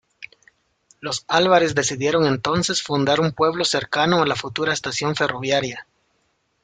Los Álvarez decidieron entonces fundar un pueblo cercano a la futura estación ferroviaria.